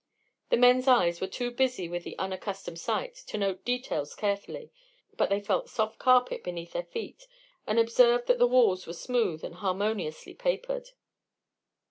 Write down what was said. The men's eyes were too busy with the unaccustomed sight to note details carefully, but they felt soft carpet beneath their feet and observed that the walls were smooth and harmoniously papered.